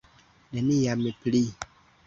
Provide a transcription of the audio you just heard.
Neniam pli.